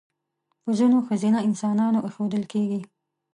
په ځینو ښځینه انسانانو اېښودل کېږي.